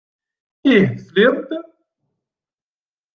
Ih tesliḍ-d!